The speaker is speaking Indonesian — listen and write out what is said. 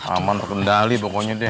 aman terkendali pokoknya deh